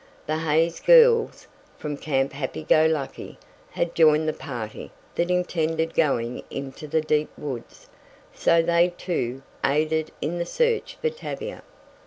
The Hays girls from Camp Happy go Lucky, had joined the party that intended going into the deep woods, so they, too, aided in the search for Tavia.